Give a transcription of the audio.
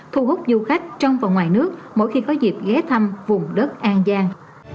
thu hút du khách trong và ngoài nước mỗi khi có dịp ghé thăm vùng đất an giang